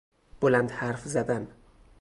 بلند حرف زدن